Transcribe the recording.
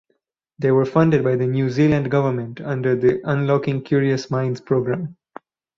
They were funded by the New Zealand government under the Unlocking Curious Minds program.